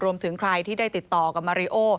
รวมถึงใครที่ได้ติดต่อกับมาริโอ